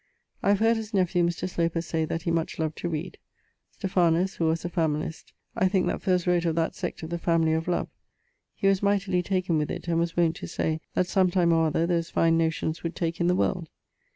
I have heard his nephew, Mr. Sloper, say, that he much loved to read ... Stephanus, who was a familist, I thinke that first wrote of that sect of the Familie of Love: he was mightily taken with it, and was wont to say that sometime or other those fine notions would take in the world.